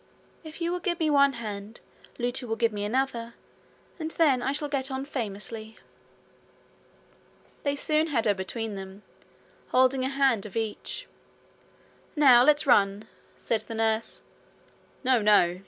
If you will give me one hand, Lootie will give me another, and then I shall get on famously.' They soon had her between them, holding a hand of each. 'Now let's run,' said the nurse. 'No, no!'